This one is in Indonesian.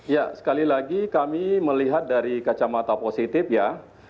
ya sekali lagi kami melihat dari kacamata positif ya